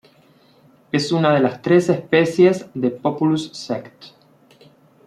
Es una de las tres especies de "Populus sect.